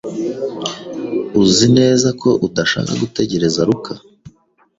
Uzi neza ko udashaka gutegereza Luka?